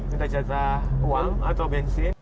minta jatah uang atau bensin